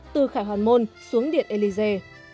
từ khải hoàn môn xuống điện élysée